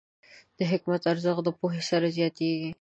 د حکمت ارزښت د پوهې سره زیاتېږي.